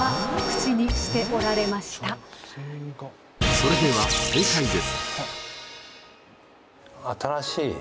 それでは正解です。